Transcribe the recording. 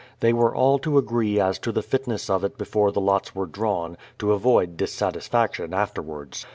They were all to agree as to the fitness of it before the lots were drawn, to avoid dis satisfaction afterwards.